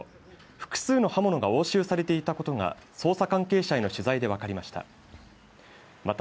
複数の刃物が押収されていたことが捜査関係者への取材で分かりました。